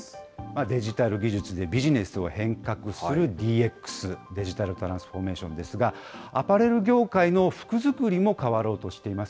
デジタル技術でビジネスを変革するＤＸ・デジタルトランスフォーメーションですが、アパレル業界の服づくりも変わろうとしています。